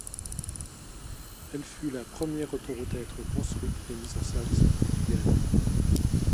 Elle fut la première autoroute à être construite et mise en service au Portugal.